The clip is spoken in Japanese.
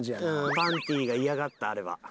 パンティが嫌がったあれは。